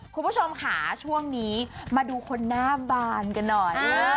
คุณผู้ชมค่ะช่วงนี้มาดูคนหน้าบานกันหน่อย